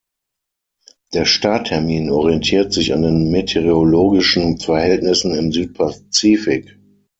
Der Starttermin orientiert sich an den meteorologischen Verhältnissen im Südpazifik.